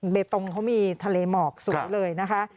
เบตงเขามีทะเลหมอกสวยเลยนะคะ